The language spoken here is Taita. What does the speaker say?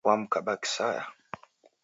Wamkaba kisaya